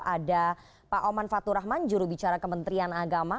ada pak oman fathurrahman jurubicara kementerian agama